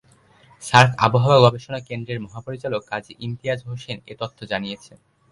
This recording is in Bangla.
সার্ক আবহাওয়া গবেষণা কেন্দ্রের মহাপরিচালক কাজী ইমতিয়াজ হোসেন এ তথ্য জানিয়েছেন।